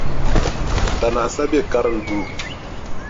Danaa sa be karinduu.